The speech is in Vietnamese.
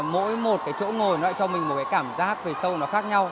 mỗi một cái chỗ ngồi nó lại cho mình một cái cảm giác về sâu nó khác nhau